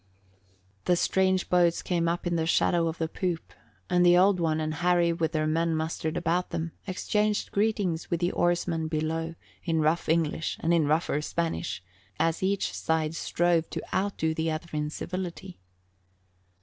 The strange boats came up in the shadow of the poop and the Old One and Harry, with their men mustered about them, exchanged greetings with the oarsmen below, in rough English and in rougher Spanish, as each side strove to outdo the other in civility.